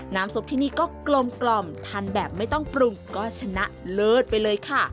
ซุปที่นี่ก็กลมทานแบบไม่ต้องปรุงก็ชนะเลิศไปเลยค่ะ